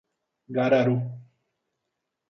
Gararu